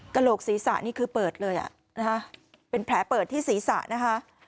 กระโหลกศีรษะนี่คือเปิดเลยเป็นแผลเปิดที่ศีรษะนะคะ